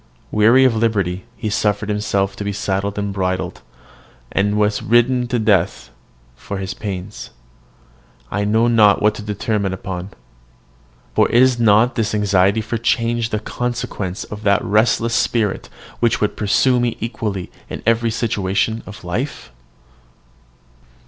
Weary of liberty, he suffered himself to be saddled and bridled, and was ridden to death for his pains. I know not what to determine upon. For is not this anxiety for change the consequence of that restless spirit which would pursue me equally in every situation of life?